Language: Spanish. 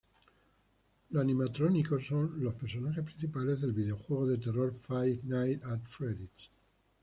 Los animatrónicos son los personajes principales del videojuego de terror: Five Nights at Freddy's.